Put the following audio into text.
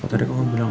tadi kamu bilang